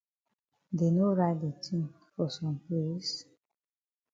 Dey no write de tin for some place?